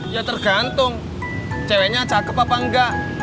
ya tergantung ceweknya cakep apa enggak